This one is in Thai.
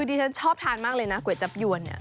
ดิฉันชอบทานมากเลยนะก๋วยจับยวนเนี่ย